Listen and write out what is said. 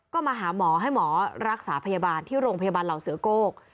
ก็มาหาหมอให้หมอรักษาพยาบาลที่โรงพยาบาลเหล่าเสือโก้